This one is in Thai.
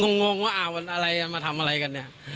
งงว่ามันอะไรมาทำอะไรกันเนี่ย